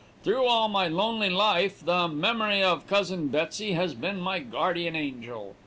Through all my lonely life the memory of cousin Betsey has been my guardian angel.